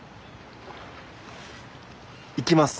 行きます。